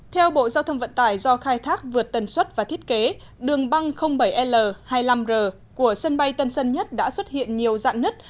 theo bộ giao thông vận tải do khai thác vượt tần suất và thiết kế đường băng bảy l hai mươi năm r của sân bay tân sơn nhất đã xuất hiện nhiều dạng nứt